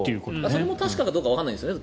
それも確かかどうかわからないんですよね。